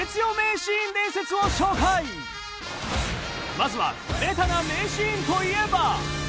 まずはベタな名シーンといえば。